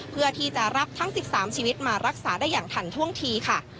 เพื่อที่จะรับทั้ง๑๓ชีวิตมารักษาได้อย่างทันท่วงทีค่ะ